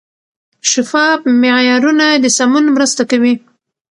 شفاف معیارونه د سمون مرسته کوي.